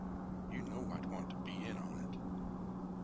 "You know I want to be in on it!"